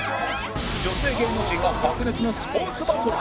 女性芸能人が白熱のスポーツバトル